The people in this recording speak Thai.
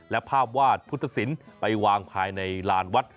และภาพวาดพุทธศิลป์ไปวางภายในลานวัด